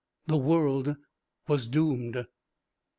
The world was doomed!